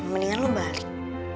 mendingan lo balik